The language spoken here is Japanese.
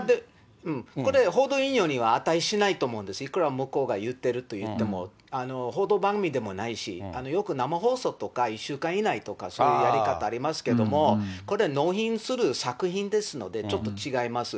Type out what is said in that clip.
これ、報道引用には値しないと思うんです、いくら向こうが言ってるといっても、報道番組でもないし、よく生放送とか、１週間以内とか、そういうやり方ありますけれども、これ、納品する作品ですので、ちょっと違います。